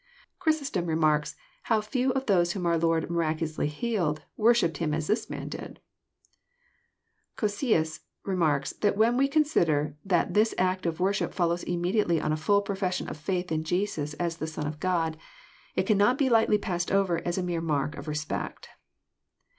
Chrysostom remarks how few of those whon a our Lord mi raculously healed, worshipped Him as this man'did^ Cocceius remarks that when we consider that this act of worship follows immediately on a fUll profession of faith in Jesus as the " Son of God," it cannot be lightly passed over as a mere mark of respect.